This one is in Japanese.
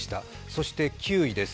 そして９位です。